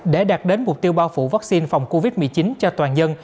để đạt đến mục tiêu bao phủ vaccine phòng covid một mươi chín cho toàn dân